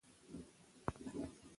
که ځواب وي نو انتظار نه اوږدیږي.